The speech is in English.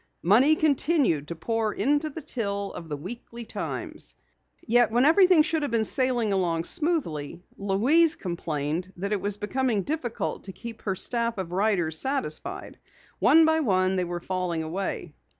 Money continued to pour into the till of the Weekly Times. Yet, when everything should have been sailing along smoothly, Louise complained that it was becoming difficult to keep her staff of writers satisfied. One by one they were falling away.